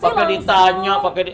pakai ditanya pakai